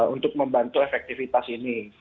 untuk membantu efektivitas ini